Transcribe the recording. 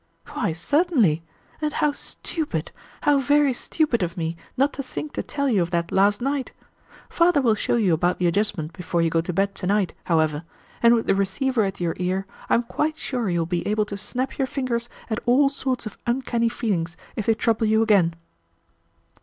"Why, certainly; and how stupid, how very stupid, of me not to think to tell you of that last night! Father will show you about the adjustment before you go to bed to night, however; and with the receiver at your ear, I am quite sure you will be able to snap your fingers at all sorts of uncanny feelings if they trouble you again."